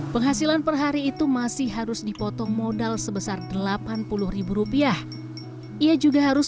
penghasilan perhari itu masih harus dipotong modal sebesar delapan puluh rupiah ia juga harus